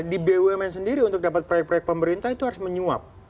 di bumn sendiri untuk dapat proyek proyek pemerintah itu harus menyuap